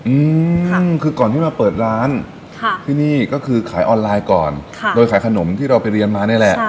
อืมค่ะคือก่อนที่มาเปิดร้านค่ะที่นี่ก็คือขายออนไลน์ก่อนค่ะโดยขายขนมที่เราไปเรียนมานี่แหละ